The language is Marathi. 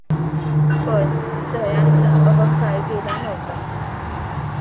पण त् यांचा अहंकार गेला नव्हता.